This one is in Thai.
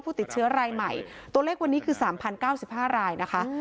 ติดเชื้อรายใหม่ตัวเลขวันนี้คือ๓๐๙๕รายนะคะ